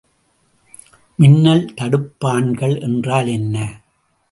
மின்னல் தடுப்பான்கள் என்றால் என்ன?